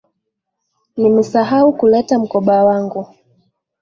Nimesahau kuleta mkoba wangu.